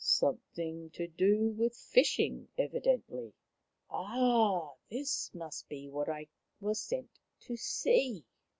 " Something to do with fishing, evidently. Ah, this must be what I was sent to see."